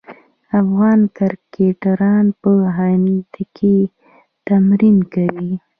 افغان کرکټران په هند کې تمرین کوي.